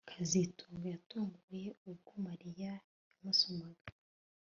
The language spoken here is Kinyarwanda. kazitunga yatunguwe ubwo Mariya yamusomaga